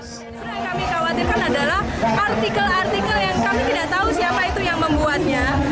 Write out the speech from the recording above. yang kami khawatirkan adalah artikel artikel yang kami tidak tahu siapa itu yang membuatnya